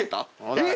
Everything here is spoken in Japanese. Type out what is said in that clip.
えっ？